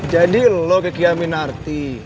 jadi lo kekia minarti